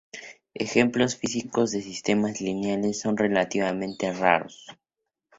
Ejemplos físicos de sistemas lineales son relativamente raros.